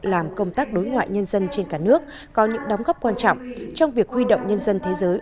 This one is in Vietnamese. làm công tác đối ngoại nhân dân trên cả nước có những đóng góp quan trọng trong việc huy động nhân dân thế giới